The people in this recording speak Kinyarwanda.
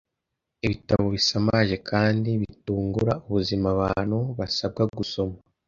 ibitabo bisamaje kandi bitungura ubuzima abantu basabwa gusoma